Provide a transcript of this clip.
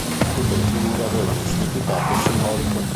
Tutte le figure avevano un significato simbolico.